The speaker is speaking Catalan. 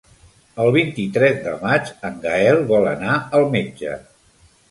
El vint-i-tres de maig en Gaël vol anar al metge.